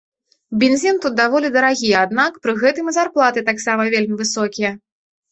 Бензін тут даволі дарагі, аднак, пры гэтым і зарплаты таксама вельмі высокія.